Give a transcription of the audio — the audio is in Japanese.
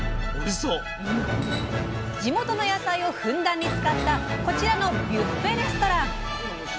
地元の野菜をふんだんに使ったこちらのビュッフェレストラン。